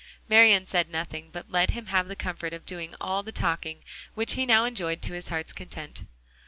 Marian said nothing, but let him have the comfort of doing all the talking, which he now enjoyed to his heart's content.